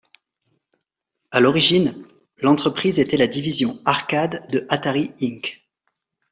À l'origine, l'entreprise était la division arcade de Atari Inc..